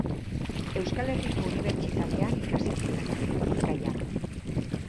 Euskal Herriko Unibertsitatean ikasi zuen Bizkaian.